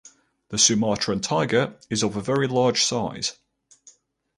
The Sumatran tiger is of a very large size.